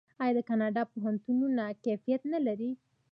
آیا د کاناډا پوهنتونونه کیفیت نلري؟